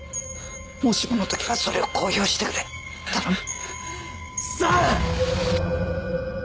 もしもの時はそれを公表してくれ頼む。